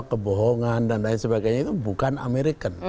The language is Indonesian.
kebohongan dan lain sebagainya itu bukan american